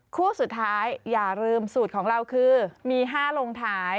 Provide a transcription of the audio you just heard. คู่สุดท้ายอย่าลืมสูตรของเราคือมี๕ลงท้าย